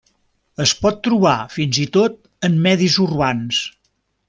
Es pot trobar fins i tot en medis urbans.